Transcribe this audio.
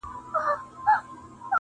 چي اوس له ځینو انسانانو څخه ګام اړوم